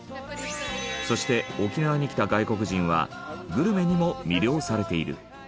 そして沖縄に来た外国人はグルメにも魅了されている。